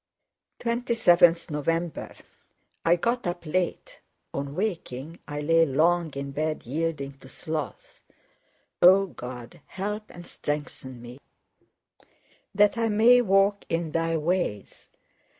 27th November I got up late. On waking I lay long in bed yielding to sloth. O God, help and strengthen me that I may walk in Thy ways!